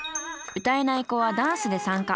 歌えない子はダンスで参加。